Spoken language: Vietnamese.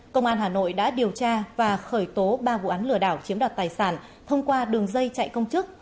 công an hà nội đã điều tra và khởi tố ba vụ án lừa đảo chiếm đoạt tài sản thông qua đường dây chạy công chức